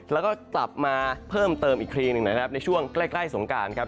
แล้วก็กลับมาเพิ่มเติมอีกทีหนึ่งนะครับในช่วงใกล้สงการครับ